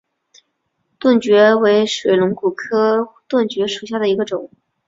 盾蕨为水龙骨科盾蕨属下的一个种。